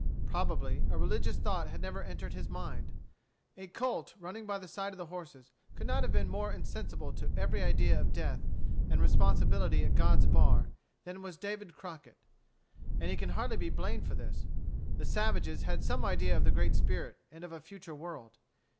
Probably, a religious thought had never entered his mind. A colt running by the side of the horses could not have been more insensible to every idea of death, and responsibility at God's bar, than was David Crockett. And he can be hardly blamed for this. The savages had some idea of the Great Spirit and of a future world.